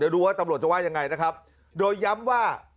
เดี๋ยวดูว่าตำรวจจะว่ายังไงนะครับโดยย้ำว่า